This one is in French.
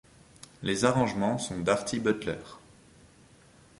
Les arrangements sont d'Artie Butler.